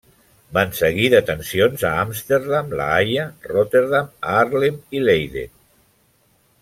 Van seguir detencions a Amsterdam, La Haia, Rotterdam, Haarlem i Leiden.